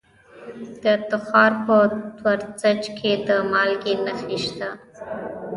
د تخار په ورسج کې د مالګې نښې شته.